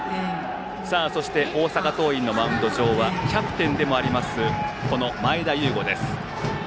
そして、大阪桐蔭のマウンド上はキャプテンでもある前田悠伍です。